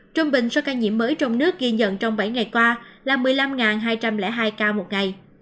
trung bình số ca nhiễm mới trong nước ghi nhận trong bảy ngày qua là một mươi năm hai trăm linh hai ca một ngày